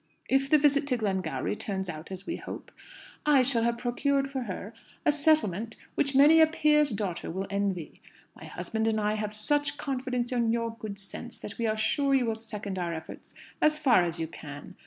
If the visit to Glengowrie turns out as we hope, I shall have procured for her a settlement which many a peer's daughter will envy. My husband and I have such confidence in your good sense, that we are sure you will second our efforts as far as you can.